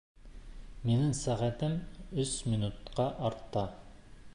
Минең сәғәтем өс минутҡа артта